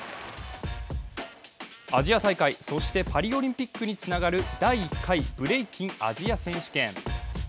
アジア大会、そしてパリオリンピックにつながる第１回ブレイキンアジア選手権。